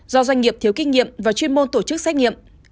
do doanh nghiệp thiếu kinh nghiệm và chuyên môn tổ chức xét nghiệm